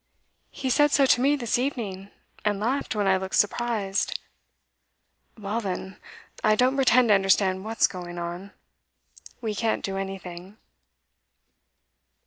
'He said so to me this evening, and laughed when I looked surprised.' 'Well then, I don't pretend to understand what's going on. We can't do anything.